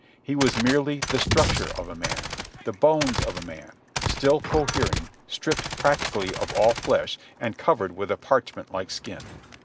He was merely the structure of a man, the bones of a man, still cohering, stripped practically of all flesh and covered with a parchment like skin.